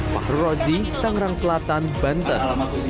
fahru rozi tangerang selatan banten